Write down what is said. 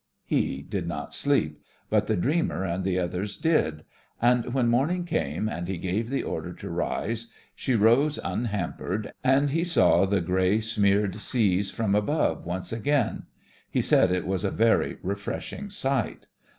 He did not sleep, but the dreamer and the others did; and when morn ing came and he gave the order to rise, and she rose unhampered, and he saw the grey smeared seas from above once again, he said it was a very refreshing sight.